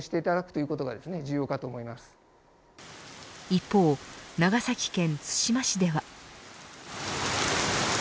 一方、長崎県対馬市では。